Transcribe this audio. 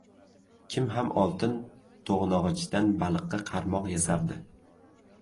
• Kim ham oltin to‘g‘nog‘ichdan baliqqa qarmoq yasardi?